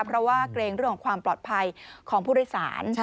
เพราะว่าเกรงเรื่องของความปลอดภัยของผู้โดยสาร